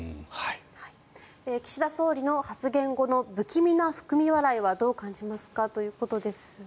岸田総理の発言後の不気味な含み笑いはどう感じますかということですが。